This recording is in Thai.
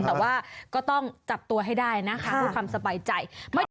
แต่ว่าก็ต้องจับตัวให้ได้นะคะเพื่อความสบายใจ